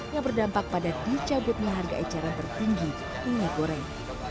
yang berdampak pada dicabutnya harga eceran tertinggi minyak goreng